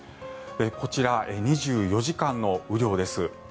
こちら、２４時間の雨量です。